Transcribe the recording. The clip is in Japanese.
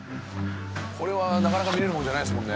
これはなかなか見れるもんじゃないですもんね。